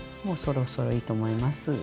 もうそろそろいいと思います。